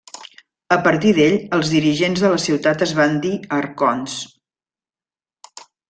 A partir d'ell els dirigents de la ciutat es van dir arconts.